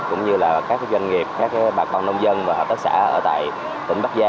cũng như là các doanh nghiệp các bà con nông dân và tất xã ở tại tỉnh bắc